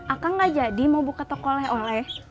akang gak jadi mau buka toko le oleh